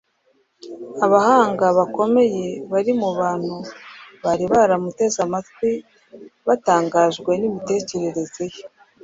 Abahanga bakomeye bari mu bantu bari bamuteze amatwi batangajwe n’imitekerereze ye.